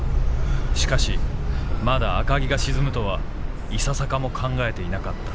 しかしまだ赤城が沈むとはいささかも考えていなかった。